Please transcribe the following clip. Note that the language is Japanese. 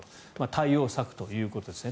対応策ということですね。